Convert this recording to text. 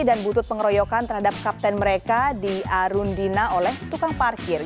dan butut pengeroyokan terhadap kapten mereka di arun dina oleh tukang parkir